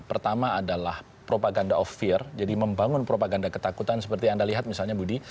pertama adalah propaganda of fear jadi membangun propaganda ketakutan seperti anda lihat misalnya budi